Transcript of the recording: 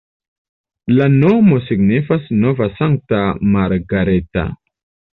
La nomo signifas nova-sankta-Margareta.